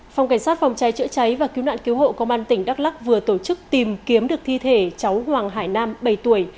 phòng cảnh sát phòng cháy chữa cháy và cứu nạn cứu hộ công an tỉnh đắk lắc vừa tổ chức tìm kiếm được thi thể cháu hoàng hải nam bảy tuổi